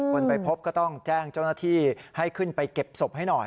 คนไปพบก็ต้องแจ้งเจ้าหน้าที่ให้ขึ้นไปเก็บศพให้หน่อย